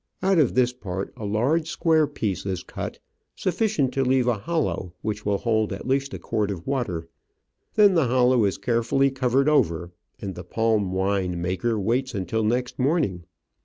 Out of this part a large, square piece is cut, sufficient to leave a hollow which will hold at least a quart of water ; then the hollow is carefully covered over and the palm wine maker waits until next morn ing.